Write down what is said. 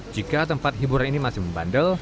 jika tempat hiburan ini masih membandel